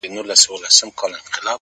سوال کوم کله دي ژړلي گراني -